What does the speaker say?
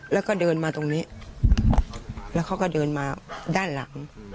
แล้วก็เดินมาตรงนี้แล้วเขาก็เดินมาด้านหลัง